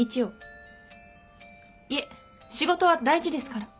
いえ仕事は大事ですから。